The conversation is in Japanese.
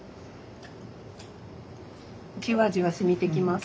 じわじわしみてきます。